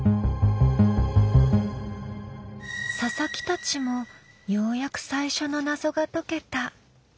佐々木たちもようやく最初の謎が解けた。